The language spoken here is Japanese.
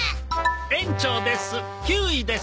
園長です。